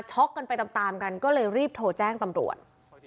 ช็อกกันไปตามก็เลยรีบโทรแจ้งตำรวจ